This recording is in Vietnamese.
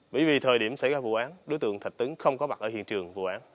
bởi vì thời điểm xảy ra vụ án đối tượng thạch tấn không có mặt ở hiện trường vụ án